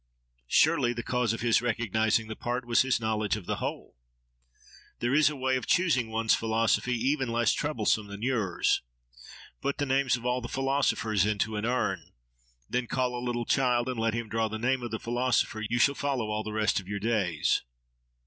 Surely, the cause of his recognising the part was his knowledge of the whole. There is a way of choosing one's philosophy even less troublesome than yours. Put the names of all the philosophers into an urn. Then call a little child, and let him draw the name of the philosopher you shall follow all the rest of your days.